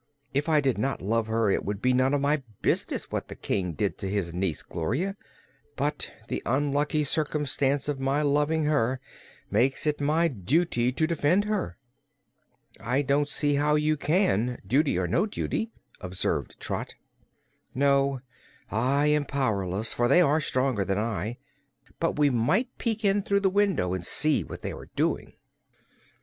If I did not love her, it would be none of my business what the King did to his niece Gloria; but the unlucky circumstance of my loving her makes it my duty to defend her." "I don't see how you can, duty or no duty," observed Trot. "No; I am powerless, for they are stronger than I. But we might peek in through the window and see what they are doing."